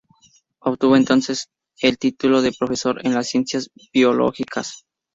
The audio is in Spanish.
Obtuvo entonces el el título de profesor en las ciencias biológicas.